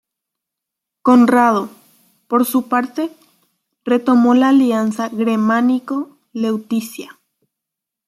Conrado, por su parte, retomó la alianza germánico-leuticia.